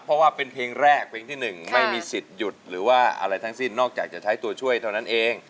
เพราะว่าเป็นเพลงแรกเพลงที่๑ไม่มีสิทธิ์หยุดหรือว่าอะไรทั้งสิ้นนอกจากจะใช้ตัวช่วยเท่านั้นเอง